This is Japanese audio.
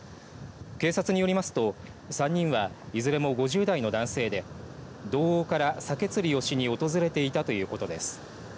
警察によりますと３人はいずれも５０代の男性で道央からサケ釣りに訪れていたということです。